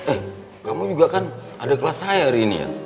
eh kamu juga kan ada kelas saya hari ini ya